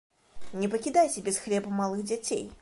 Не пакідайце без хлеба малых дзяцей!